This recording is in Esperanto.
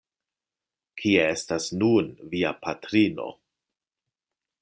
Kie estas nun via patrino?